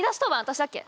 私だっけ？